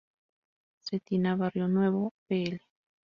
Cetina, Barrionuevo, Pl.